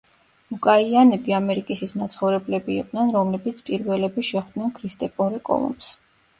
ლუკაიანები ამერიკის ის მაცხოვრებლები იყვნენ, რომლებიც პირველები შეხვდნენ ქრისტეფორე კოლუმბს.